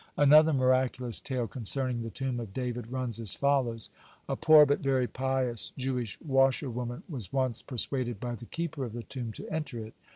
(145) Another miraculous tale concerning the tomb of David runs as follows: A poor but very pious Jewish washerwoman was once persuaded by the keeper of the tomb to enter it.